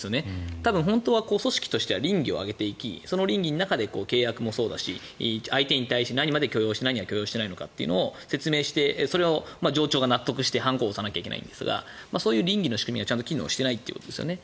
多分本当は組織として稟議を上げていきその稟議に基づいて契約もそうだし相手に対して何は許容して何は許容しないのかというのを説明してそれを上長が納得して判子を押さないといけないんですがそういう稟議の仕組みが機能してないということですよね。